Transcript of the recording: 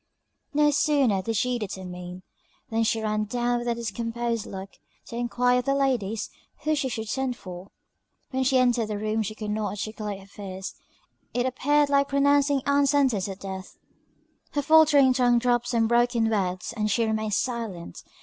No sooner did she determine, than she ran down with a discomposed look, to enquire of the ladies who she should send for. When she entered the room she could not articulate her fears it appeared like pronouncing Ann's sentence of death; her faultering tongue dropped some broken words, and she remained silent.